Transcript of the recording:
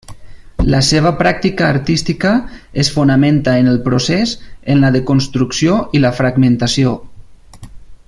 La seva pràctica artística es fonamenta en el procés, en la desconstrucció i la fragmentació.